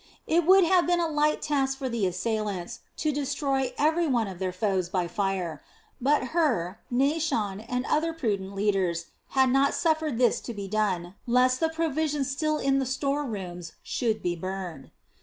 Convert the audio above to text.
It would have been a light task for the assailants to destroy every one of their foes by fire; but Hur, Naashon, and other prudent leaders had not suffered this to be done, lest the provisions still in the store rooms should be burned.